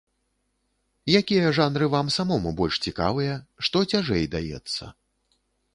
Якія жанры вам самому больш цікавыя, што цяжэй даецца?